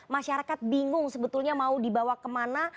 masyarakat bingung sebetulnya mau dibawa kemana